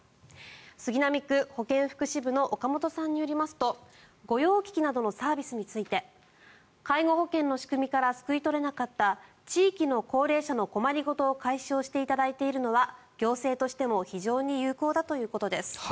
杉並区保健福祉部の岡本さんによりますと御用聞きなどのサービスについて介護保険の仕組みからすくい取れなかった地域の高齢者の困り事を解消していただいているのは行政としても非常に有効だということです。